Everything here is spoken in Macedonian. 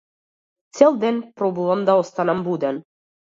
Цел ден пробувам да останам буден.